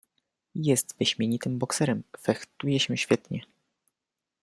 "Jest wyśmienitym bokserem, fechtuje się świetnie."